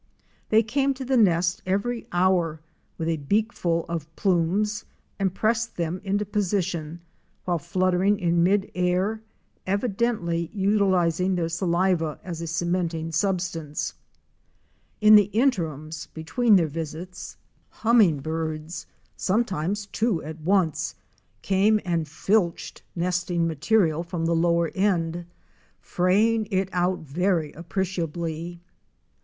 They came to the nest every hour with a beakful of plumes and pressed them into position while fluttering in mid air, evidently utilizing their saliva as a cementing substance. In the interims between their visits, 144 OUR SEARCH FOR A WILDERNESS. Hummingbirds,— sometimes two at once — came and filched nesting material from the lower end, fraying it out very appreciably.